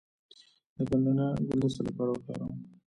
د ګندنه ګل د څه لپاره وکاروم؟